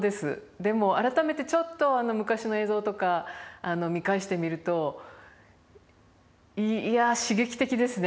でも改めてちょっと昔の映像とか見返してみるといや刺激的ですね。